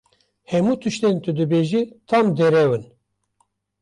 Hemû tiştên tu dibêjî tam derew in!